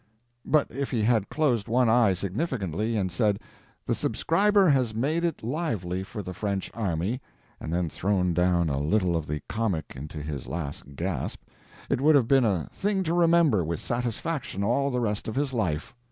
But if he had closed one eye significantly, and said, "The subscriber has made it lively for the French army," and then thrown a little of the comic into his last gasp, it would have been a thing to remember with satisfaction all the rest of his life.